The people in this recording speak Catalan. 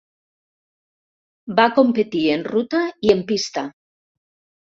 Va competir en ruta i en pista.